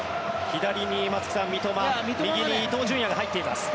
左に三笘右に伊東純也が入っています。